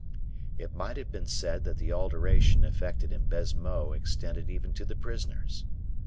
It might have been said that the alteration effected in Baisemeaux extended even to the prisoners.